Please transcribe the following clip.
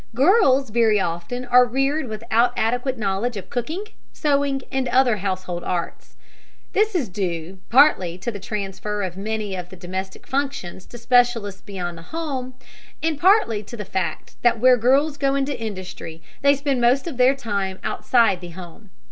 Girls very often are reared without adequate knowledge of cooking, sewing, and other household arts. This is due, partly to the transfer of many of the domestic functions to specialists beyond the home, and partly to the fact that where girls go into industry they spend most of their time outside the home.